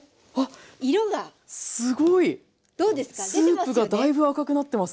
スープがだいぶ赤くなってますね。